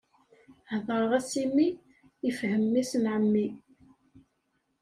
Hedṛeɣ-as i mmi, ifhem mmi-s n ɛemmi.